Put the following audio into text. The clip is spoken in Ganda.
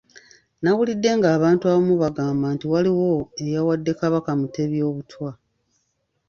Nawulidde ng'abantu abamu bagamba nti waliwo eyawadde Kabaka Mutebi Obutwa.